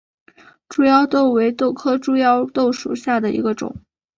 猪腰豆为豆科猪腰豆属下的一个种。